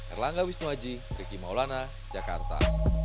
erlangga wisnuaji riki maulana jakarta